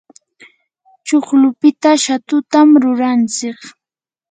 chuklupita shatutam rurantsik.